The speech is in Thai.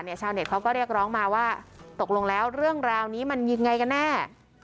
ชาวเน็ตเขาก็เรียกร้องมาว่าตกลงแล้วเรื่องราวนี้มันยังไงกันแน่